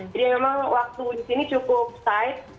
jadi memang waktu di sini cukup tight